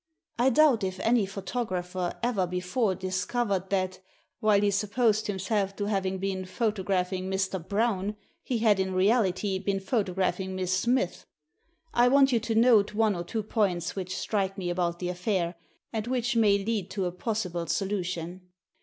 I doubt if any photographer ever before discovered that, while he supposed him self to having been photographing Mr. Brown, he had, in reality, been photographing Miss Smith. I want you to note one or two points which strike me about the affair, and which may lead to a possible solution.